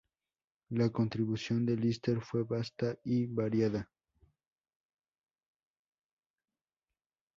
La contribución de Lister fue vasta y variada.